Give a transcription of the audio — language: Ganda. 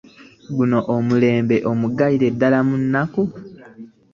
Guno omulembe omuggalire ddala munaku